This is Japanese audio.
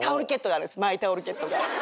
マイタオルケットが。